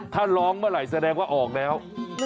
ถ้าร้องเมื่อไหร่แสดงว่าออกแล้ว